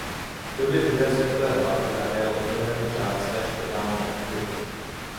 V době druhé světové války zahájil obnovený řád své špitální aktivity.